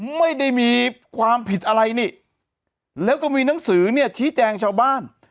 ไม่ได้มีความผิดอะไรนี่แล้วก็มีหนังสือเนี่ยชี้แจงชาวบ้าน